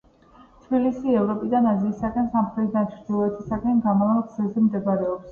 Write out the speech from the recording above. თბილისი ევროპიდან აზიისაკენ, სამხრეთიდან ჩრდილოეთისაკენ გამავალ გზებზე მდებარეობს.